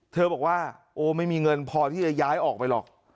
เธอบอกว่าโอ้ไม่มีเงินพอที่จะย้ายออกไปหรอก